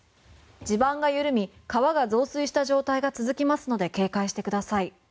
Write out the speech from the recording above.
地盤が緩み川が増水した状態が続きますので警戒してください。